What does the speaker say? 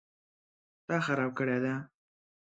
_تا خراب کړی دی؟